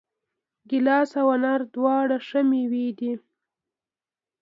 ګیلاس او انار دواړه ښه مېوې دي.